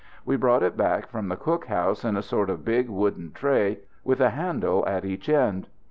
We brought it back from the cook house in a sort of big wooden tray with a handle at each end.